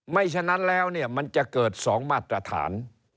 ฉะนั้นแล้วเนี่ยมันจะเกิด๒มาตรฐาน